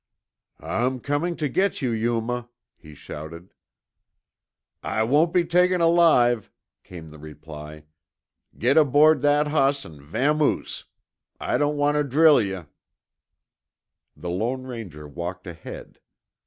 "I'm coming to get you, Yuma," he shouted. "I won't be taken alive," came the reply. "Git aboard that hoss an' vamoose. I don't want tuh drill yuh." The Lone Ranger walked ahead.